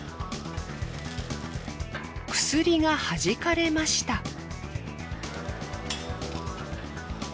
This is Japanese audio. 薬がはじかれました。